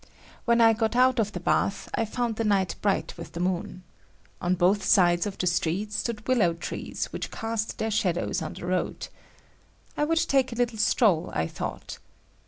When I got out of the bath, I found the night bright with the moon. On both sides of the street stood willow trees which cast their shadows on the road. I would take a little stroll, I thought.